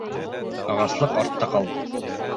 Ағаслыҡ артта ҡалды.